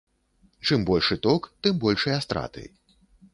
Чым большы ток, тым большыя страты.